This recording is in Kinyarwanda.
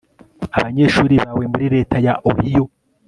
abanyeshuri bawe muri leta ya ohio